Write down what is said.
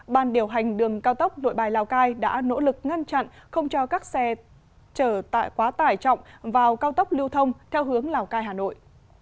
ban điều hành đường cao tốc nội bài lào cai đã nỗ lực ngăn chặn không cho các xe trở quá tải trọng vào cao tốc lưu thông theo hướng lào cai hà nội